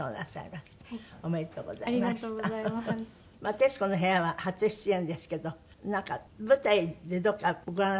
『徹子の部屋』は初出演ですけどなんか舞台でどこかご覧になった事あるんですって？